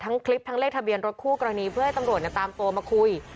คลิปทั้งเลขทะเบียนรถคู่กรณีเพื่อให้ตำรวจตามตัวมาคุย